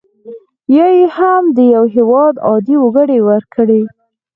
یا یې هم د یو هیواد عادي وګړي ورکړي.